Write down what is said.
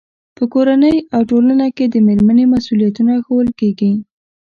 په کورنۍ او ټولنه کې د مېرمنې مسؤلیتونه ښوول کېږي.